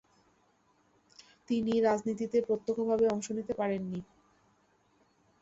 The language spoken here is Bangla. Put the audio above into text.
তিনি রাজনীতিতে প্রত্যক্ষভাবে অংশ নিতে পারেন নি।